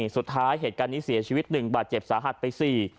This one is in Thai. สุดท้ายเหตุการณ์นี้เสียชีวิต๑บาทเจ็บสาหัสไป๔